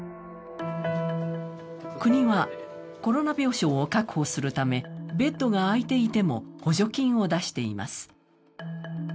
国はコロナ病床を確保するためベッドが空いていても補助金を出しています。